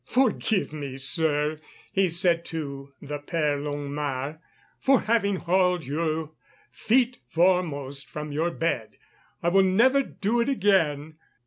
"Forgive me, sir," he said to the Père Longuemare, "for having hauled you feet foremost from your bed. I will never do it again."